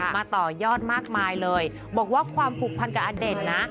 มาต่อยอดมากมายเลยบอกว่าความผูกพันกับอเด่นนะ